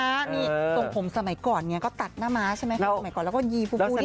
มีตรงผมสมัยก่อนเนี่ยก็ตัดหน้าม้าใช่ไหมสมัยก่อนแล้วก็ยีฟูนิดหนึ่ง